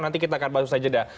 nanti kita akan bahas saja dah